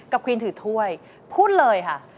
ควีนถือถ้วยพูดเลยค่ะ